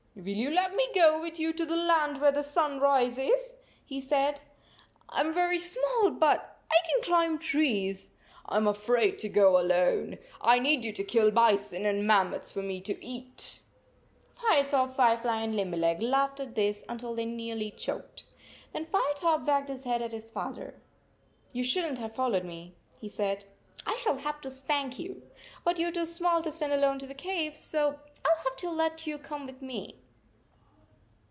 "Will you let me go with you to the land where the sun rises?" he said. " I am very small, but I can climb trees! I am afraid to go alone. I need you to kill bison and mammoths for me to eat! " 60 Firetop, Firefly, and Limberleg laughed at this until they nearly choked. Then Fire top wagged his head at his father. "You shouldn t have followed me," he said. " I shall have to spank you. But you are too small to send alone to the cave, so I 11 have to let you come with me."